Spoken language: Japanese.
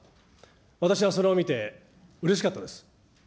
私はそれを見て、うれしかったです。